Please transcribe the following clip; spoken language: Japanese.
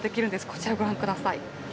こちらご覧ください。